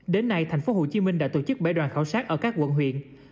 đến nay thành phố hồ chí minh đã tổ chức bảy đoàn khảo sát ở các quận huyện